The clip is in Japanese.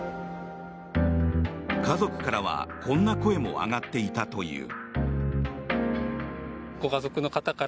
家族からはこんな声も上がっていたという。